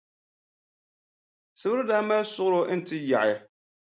Sibiri daa mali suɣulo n-ti yaɣi.